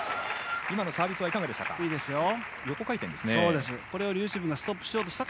今のサービスはいかがでしたか。